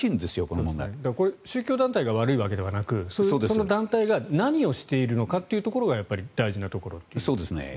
これ、宗教団体が悪いわけではなくその団体が何をしているのかっていうところが大事なところっていう。